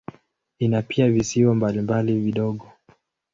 Ina pia visiwa mbalimbali vidogo.